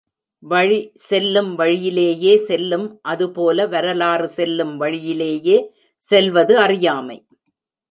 வழி, செல்லும் வழியிலேயே செல்லும், அதுபோல, வரலாறு செல்லும் வழியிலேயே செல்வது அறியாமை.